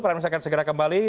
prani masyarakat segera kembali